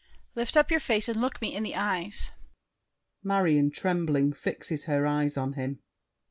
Lift up your face and look me in the eyes. [Marion, trembling, fixes her eyes on him.